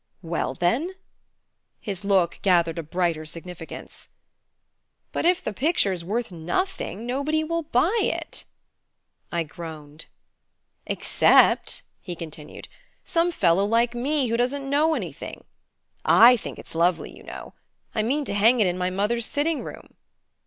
"Well, then " His look gathered a brighter significance. "But if the picture's worth nothing, nobody will buy it " I groaned. "Except," he continued, "some fellow like me, who doesn't know anything. I think it's lovely, you know; I mean to hang it in my mother's sitting room."